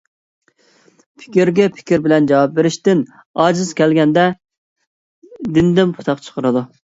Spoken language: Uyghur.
پىكىرگە پىكىر بىلەن جاۋاب بېرىشتىن ئاجىز كەلگەندە دىنىدىن پۇتاق چىقىرىدۇ.